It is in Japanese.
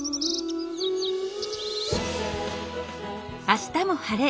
「あしたも晴れ！